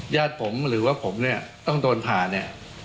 ญาติผมหรือว่าผมเนี่ยต้องโดนผ่าเนี่ย